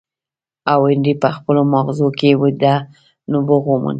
او هنري په خپلو ماغزو کې ويده نبوغ وموند.